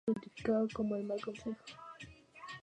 Ned Lott es la voz que dirige este juego.